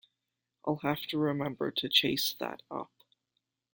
I’ll have to remember to chase that up.